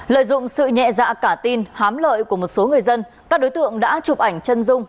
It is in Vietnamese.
lợi dụng sự nhẹ dạ cả tin hám lợi của một số người dân các đối tượng đã chụp ảnh chân dung